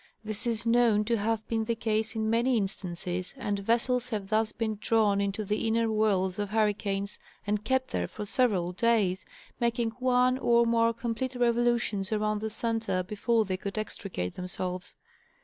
This is known to have been the case in many instances, and vessels have thus been drawn into the inner whirls of hurricanes and kept there for several days, making one or more complete revolutions around the center be fore they could extricate themselves.